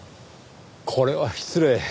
これは失礼。